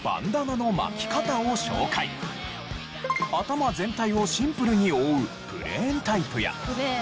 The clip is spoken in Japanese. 頭全体をシンプルに覆うプレーンタイプや。